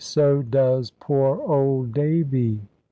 SO DOES POOR OLD DAVY.